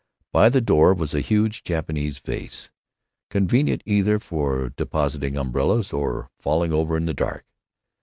By the door was a huge Japanese vase, convenient either for depositing umbrellas or falling over in the dark.